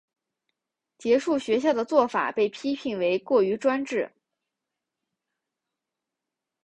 结束学校的做法被批评为过于专制。